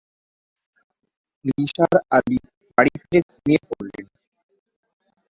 নিসার আলি বাড়ি ফিরে ঘুমিয়ে পড়লেন।